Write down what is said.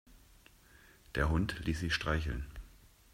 Der Hund ließ sich streicheln.